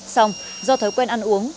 xong do thói quen ăn uống